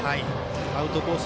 アウトコース